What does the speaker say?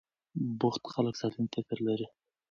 بوخت خلک سالم فکر لري.